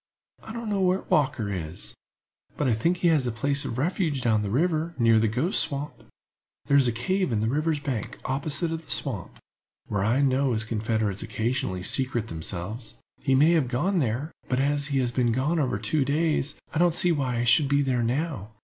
"I don't know where Walker is, but I think he has a place of refuge down the river, near the Ghost Swamp. There is a cave in the river's bank, opposite to the swamp, where I know his confederates occasionally secrete themselves. He may have gone there; but, as he has been gone over two days, I don't see why he should be there now.